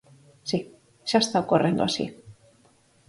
Si, xa está ocorrendo así.